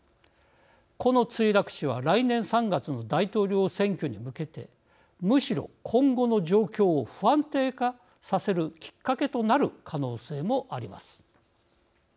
この墜落死は来年３月の大統領選挙に向けてむしろ今後の状況を不安定化させるきっかけとなる可能性もあります。